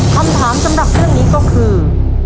คำถามสำหรับเรื่องนี้ก็คือ